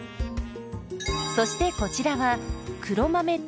そしてこちらは黒豆ともち。